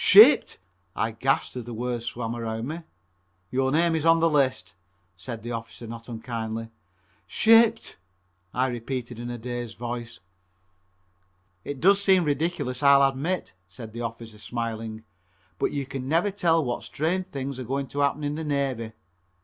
"Shipped!" I gasped as the world swam around me. "Your name is on this list," said the officer not unkindly. "Shipped!" I repeated in a dazed voice. "It does seem ridiculous, I'll admit," said the officer, smiling, "but you never can tell what strange things are going to happen in the Navy.